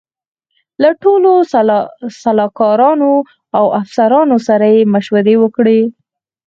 له ټولو سلاکارانو او افسرانو سره یې مشورې وکړې.